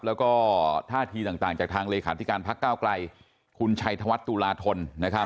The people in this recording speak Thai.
และท่าทีต่างจากทางเศรษฐรรมการพระเก้ากลาย